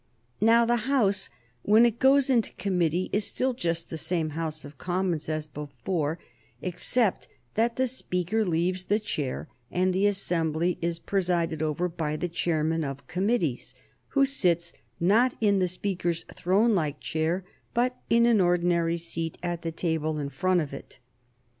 Now the House, when it goes into committee, is still just the same House of Commons as before, except that the Speaker leaves the chair and the assembly is presided over by the Chairman of Committees, who sits not in the Speaker's throne like chair, but in an ordinary seat at the table in front of it.